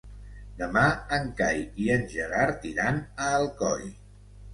Demà en Cai i en Gerard iran a Alcoi.